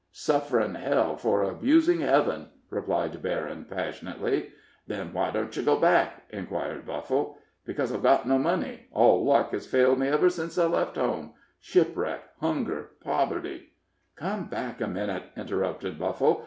"Suffering hell for abusing heaven,'" replied Berryn, passionately. "Then why don't yer go back?" inquired Buffle. "Because I've got no money; all luck has failed me ever since I left home shipwreck, hunger, poverty " "Come back a minute," interrupted Buffle.